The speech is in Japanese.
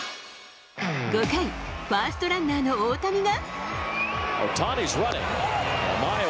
５回、ファーストランナーの大谷が。